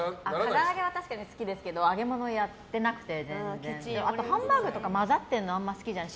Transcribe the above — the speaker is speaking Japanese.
から揚げは確かに好きですけど揚げ物やってなくてあとハンバーグとか混ざってるのあんまり好きじゃない。